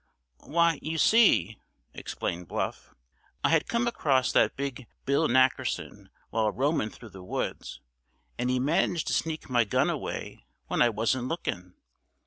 "Why, you see," explained Bluff, "I had come across that big Bill Nackerson, while roamin' through the woods, and he managed to sneak my gun away when I wasn't looking.